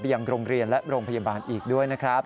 ยังโรงเรียนและโรงพยาบาลอีกด้วยนะครับ